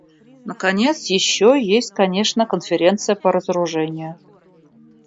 Наконец, еще есть, конечно, Конференция по разоружению.